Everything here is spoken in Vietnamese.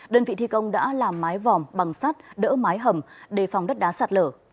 đơn vị thi công đã làm mái vòm bằng sắt đỡ mái hầm đề phòng đất đá sạt lở